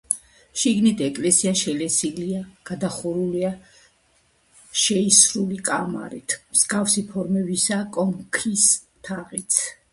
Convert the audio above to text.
შიგნით ეკლესია შელესილია, გადახურულია შეისრული კამარით, მსგავსი ფორმისაა კონქის თაღიც.